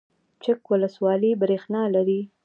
چک ولسوالۍ بریښنا لري؟